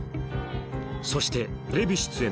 そしてテレビ出演